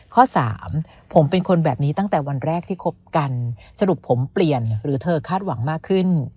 ข้อสามผมเป็นคนแบบนี้ตั้งแต่วันแรกที่คบกันสรุปผมเปลี่ยนหรือเธอคาดหวังมากขึ้น